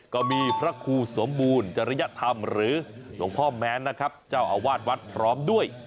ก็มีพระครูสมบูรณ์จริยธรรมหรือหลวงพ่อแม้นนะครับเจ้าอาวาสวัดพร้อมด้วย